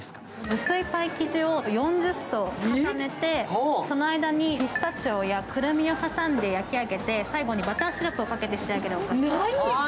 薄いパイ生地を４０層重ねて、その間にピスタチオやくるみを挟んで焼き上げて最後にバターシロップをかけて仕上げるお菓子です。